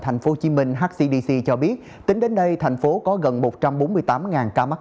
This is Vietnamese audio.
thành phố hồ chí minh hcdc cho biết tính đến nay thành phố có gần một trăm bốn mươi tám ca mắc